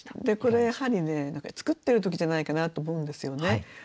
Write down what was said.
でこれやはりね作ってる時じゃないかなと思うんですよね。